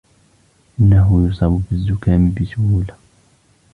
إنه يصاب بالزكام بسهولة.